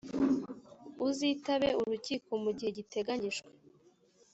uzitabe urukiko mu gihe giteganyijwe